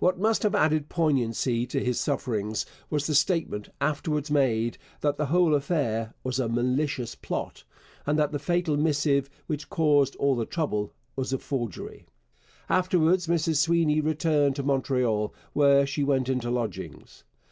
What must have added poignancy to his sufferings was the statement, afterwards made, that the whole affair was a malicious plot, and that the fatal missive which caused all the trouble was a forgery. Afterwards Mrs Sweeny returned to Montreal, where she went into lodgings.